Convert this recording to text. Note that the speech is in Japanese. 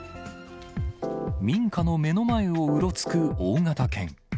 民家の目の前をうろつく大型犬。